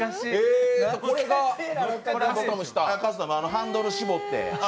ハンドル絞って。